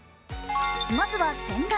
まずは洗顔。